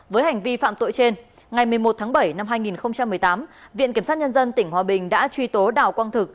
với hành vi phạm tội trên ngày một mươi một tháng bảy năm hai nghìn một mươi tám viện kiểm sát nhân dân tỉnh hòa bình đã truy tố đào quang thực